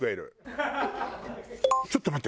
ちょっと待って。